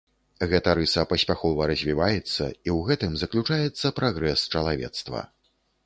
Гэта рыса паспяхова развіваецца, і ў гэтым заключаецца прагрэс чалавецтва.